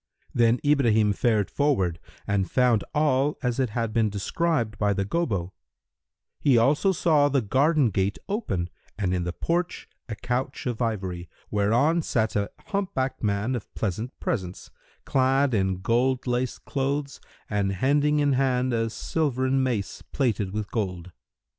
Then Ibrahim fared forward and found all as it had been described by the Gobbo: he also saw the garden gate open, and in the porch a couch of ivory, whereon sat a hump backed man of pleasant presence, clad in gold laced clothes and hending in hand a silvern mace plated with gold.